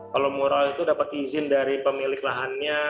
kalau mural itu dapat izin dari pemilik lahannya